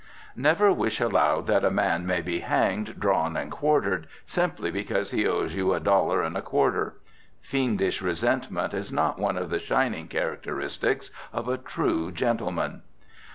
Never wish aloud that a man may be hanged, drawn and quartered, simply because he owes you a dollar and a quarter. Fiendish resentment is not one of the shining characteristics of a true gentleman.